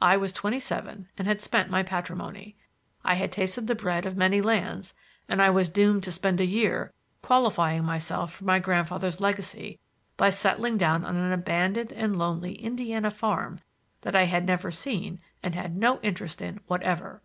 I was twenty seven and had spent my patrimony; I had tasted the bread of many lands, and I was doomed to spend a year qualifying myself for my grandfather's legacy by settling down on an abandoned and lonely Indiana farm that I had never seen and had no interest in whatever.